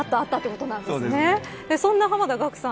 そんな濱田岳さん